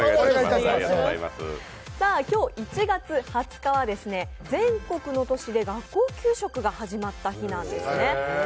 今日１月２０日は全国の都市で学校給食が始まった日なんです。